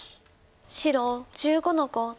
白１５の五。